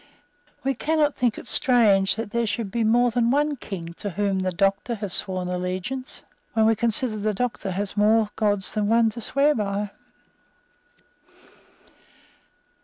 We cannot think it strange that there should be more than one King to whom the Doctor has sworn allegiance, when we consider that the Doctor has more Gods than one to swear by."